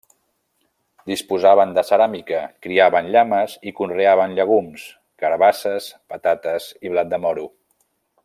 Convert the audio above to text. Disposaven de ceràmica, criaven llames i conreaven llegums, carabasses, patates i blat de moro.